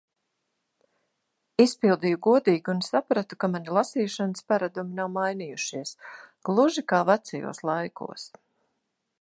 Izpildīju godīgi un sapratu, ka mani lasīšanas paradumi nav mainījušies. Gluži kā vecajos laikos.